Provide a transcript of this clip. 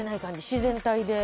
自然体で。